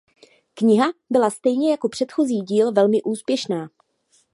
Kniha byla stejně jako předchozí díl velmi úspěšná.